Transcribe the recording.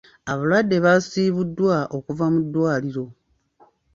Abalwadde baasiibuddwa okuva mu ddwaliiro.